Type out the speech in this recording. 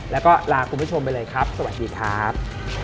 แล้วก็ลาคุณผู้ชมไปเลยครับสวัสดีครับ